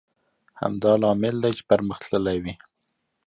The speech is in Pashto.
همدا لامل دی چې پرمختللی وي.